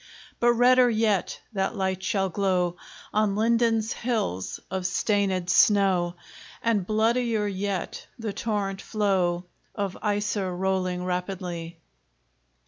But redder yet that light shall glow On Linden's hills of stainèd snow, And bloodier yet the torrent flow Of Iser, rolling rapidly.